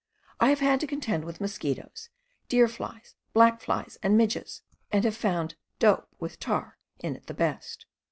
I have had to contend with mosquitoes, deer flies, black flies, and midges ... and have found "dope" with tar in it the best.